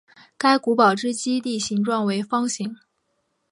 该古堡之基地形状为方形。